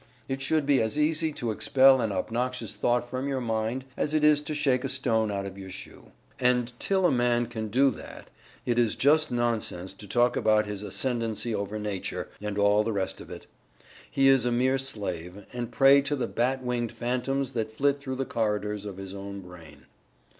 It should be as easy to expel an obnoxious thought from your mind as it is to shake a stone out of your shoe; and till a man can do that it is just nonsense to talk about his ascendancy over Nature, and all the rest of it. He is a mere slave, and prey to the bat winged phantoms that flit through the corridors of his own brain.